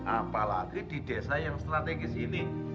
apalagi di desa yang strategis ini